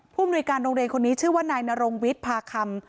มนุยการโรงเรียนคนนี้ชื่อว่านายนรงวิทย์พาคำ